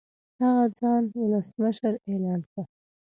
هغه ځان ولسمشر اعلان کړ.